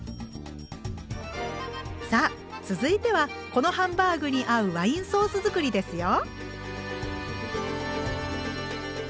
さあ続いてはこのハンバーグに合うワインソース作りですよ。